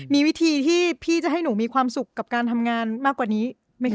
มีวิธีที่พี่จะให้หนูมีความสุขกับการทำงานมากกว่านี้ไหมคะ